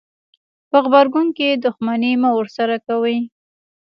په غبرګون کې دښمني مه ورسره کوئ.